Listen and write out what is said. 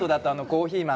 コーヒー豆。